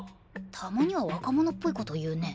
たまには若者っぽいこと言うね。